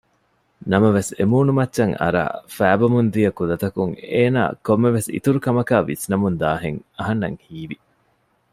ނަމަވެސް އެމޫނުމައްޗަށް އަރައި ފައިބަމުން ދިޔަ ކުލަތަކުން އޭނާ ކޮންމެވެސް އިތުރު ކަމަކާ ވިސްނަމުންދާހެން އަހަންނަށް ހީވި